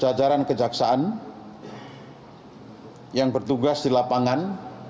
kepada segenap jajaran kejaksaan yang bertugas di lapangan